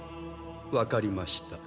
わかりました。